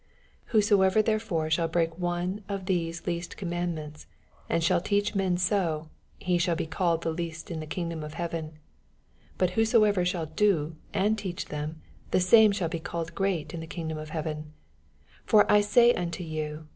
19 Whosoever therefore shall break one ^f these least commandments, and shall teach men so, he shall be called the least in the kingdom of heaven : but whosoever shall do and teaoh them, the same shall be called greftfe in the kingdom of heaven. 20 For I say unto you.